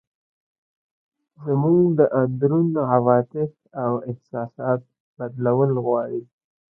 زموږ د اندرون عواطف او احساسات بدلول غواړي.